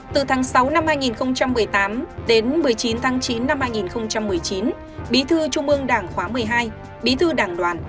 từ tháng sáu năm hai nghìn một mươi tám đến một mươi chín tháng chín năm hai nghìn một mươi chín bí thư trung ương đảng khóa một mươi hai bí thư đảng đoàn